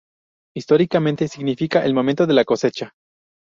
Históricamente significa el momento de la cosecha.